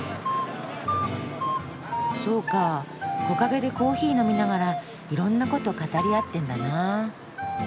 そうか木陰でコーヒー飲みながらいろんなこと語り合ってんだな。